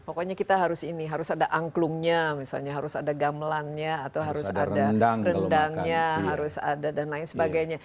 pokoknya kita harus ini harus ada angklungnya misalnya harus ada gamelannya atau harus ada rendangnya harus ada dan lain sebagainya